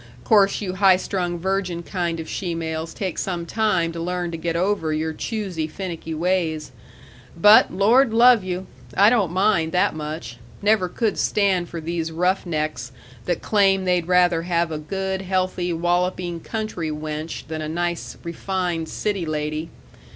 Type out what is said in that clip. Course you high strung virgin kind of shemales take some time to learn to get over your choosey, finicky ways. But, Lord love you! I don't mind that much. Never could stand for these rough necks that claim they'd rather have a good, healthy walloping country wench than a nice, refined city lady.